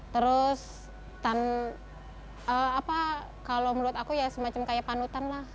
terus tanpa kalau menurut aku ya semacam kayak panutan lah